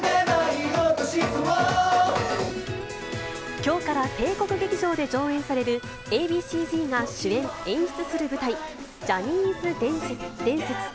きょうから帝国劇場で上演される、Ａ．Ｂ．ＣーＺが主演・演出する舞台、ジャニーズ伝説。